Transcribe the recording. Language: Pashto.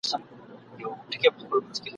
بیا د ده پر ځای د بل حریص نوبت وي ..